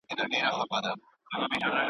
ته به هېر یې له زمانه خاطره به دي پردۍ وي ..